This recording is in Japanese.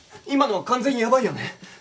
今のは完全にやばいよね？